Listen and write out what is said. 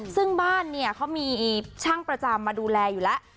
ซึ่งบ้านเนี่ยเขามีช่างประจำมาดูแลอยู่แล้ว